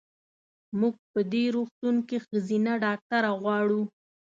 مونږ په دې روغتون کې ښځېنه ډاکټره غواړو.